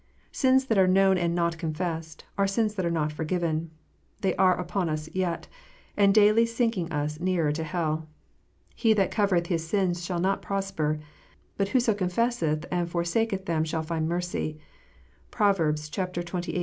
Sins that are known and not confessed, are sins that are not forgiven : they are yet upon us, and daily sinking us nearer to hell. "He that covereth his sins shall not prosper : but whoso confesseth and forsaketh them shall find mercy." (Prov. xxviii.